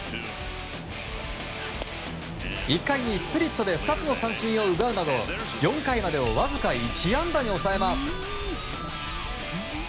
１回にスプリットで２つの三振を奪うなど４回までをわずか１安打に抑えます。